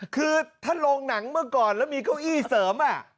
คือถ้าโรงหนังเมื่อก่อนแล้วมีเก้าอี้เสริม